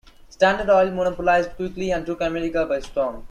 Standard Oil monopolized quickly and took America by storm.